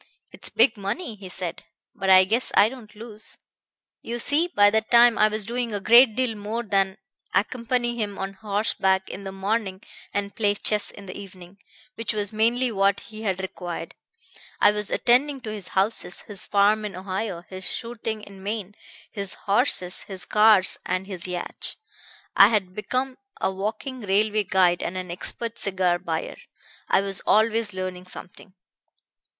'It's big money,' he said, 'but I guess I don't lose.' "You see, by that time I was doing a great deal more than accompany him on horseback in the morning and play chess in the evening, which was mainly what he had required. I was attending to his houses, his farm in Ohio, his shooting in Maine, his horses, his cars and his yacht. I had become a walking railway guide and an expert cigar buyer. I was always learning something.